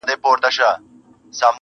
عبدالباري جهاني: د مولوي له مثنوي څخه .!